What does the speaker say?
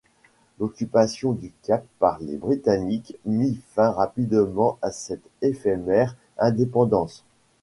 L'occupation du Cap par les Britanniques mit fin rapidement à cette éphémère indépendance.